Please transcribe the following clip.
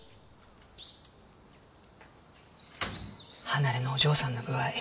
離れのお嬢さんの具合